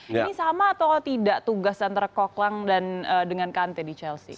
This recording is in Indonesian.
ini sama atau tidak tugas antara kok klang dan dengan kante di chelsea